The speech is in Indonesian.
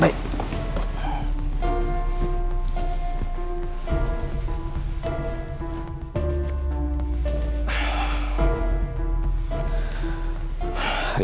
saya mau pergi